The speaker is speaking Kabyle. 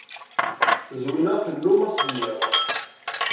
Zwina tennum asemmiḍ.